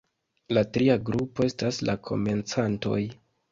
La tria grupo estas la komencantoj.